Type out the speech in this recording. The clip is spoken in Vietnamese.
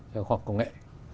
khoa học công nghệ